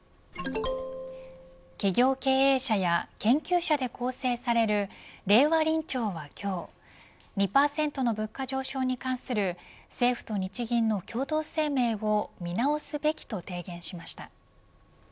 企業経営者や研究者で構成される令和臨調は今日２％の物価上昇に関する政府と日銀の共同声明を見直すべきと提言しました。